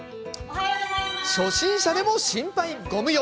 初心者でも心配ご無用。